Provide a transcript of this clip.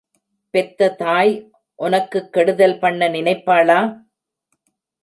பெத்த தாய் ஒனக்குக் கெடுதல் பண்ண நினைப்பாளா?